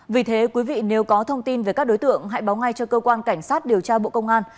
vì thế quý vị nếu có thông tin về các đối tượng hãy báo ngay cho cơ quan cảnh sát điều tra bộ công an